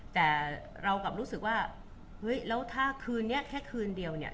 แต่เรากลับรู้สึกว่าเฮ้ยแล้วถ้าคืนนี้แค่คืนเดียวเนี่ย